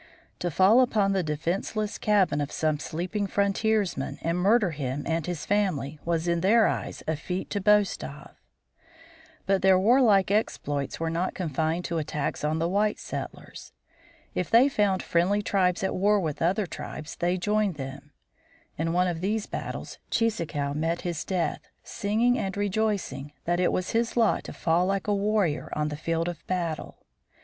To fall upon the defenseless cabin of some sleeping frontiersman and murder him and his family was in their eyes a feat to boast of. But their warlike exploits were not confined to attacks on the white settlers. If they found friendly tribes at war with other tribes they joined them. In one of these battles Cheeseekau met his death, singing and rejoicing that it was his lot to fall like a warrior on the field of battle.